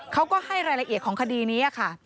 เขาก็ให้รายละเอียดของคดีนี้ค่ะ